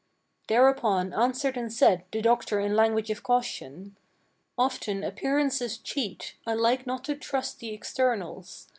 Thereupon answered and said the doctor in language of caution: "Often appearances cheat; I like not to trust to externals.